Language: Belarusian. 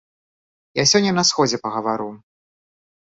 Я сёння на сходзе пагавару.